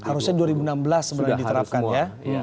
harusnya dua ribu enam belas sebenarnya diterapkan ya